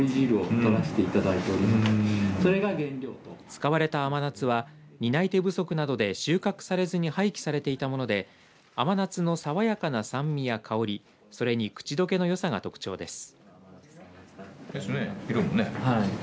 使われた甘夏は担い手不足などで収穫されずに廃棄されていたもので甘夏の爽やかな酸味や香りそれにくちどけのよさが特徴です。